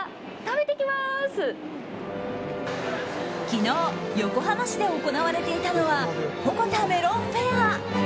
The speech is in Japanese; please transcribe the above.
昨日、横浜市で行われていたのはほこたメロンフェア。